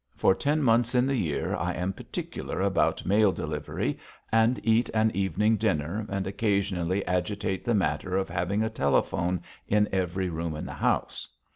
For ten months in the year, I am particular about mail delivery, and eat an evening dinner, and occasionally agitate the matter of having a telephone in every room in the house.